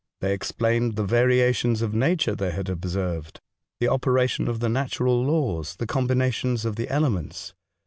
They explained the variations of nature they had observed, the operation of the natural laws, the combinations of the elements.